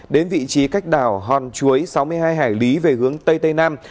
đến vị trí cách đảo hòn chuối sáu mươi hai hải lý về hướng tây tây nam